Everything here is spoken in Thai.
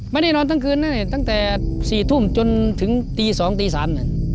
ไม่ได้นอนทั้งคืนนะตั้งแต่๔ทุ่มจนถึงตีสองตีสามเนี่ย